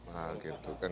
nah gitu kan